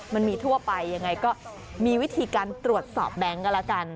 มันมีทั่วไปยังไงก็มีวิธีการตรวจสอบแบงค์ก็แล้วกัน